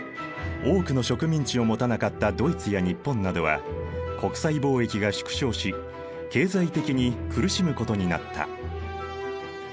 多くの植民地を持たなかったドイツや日本などは国際貿易が縮小し経済的に苦しむことになった。